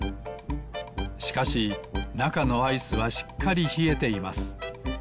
しかしなかのアイスはしっかりひえています。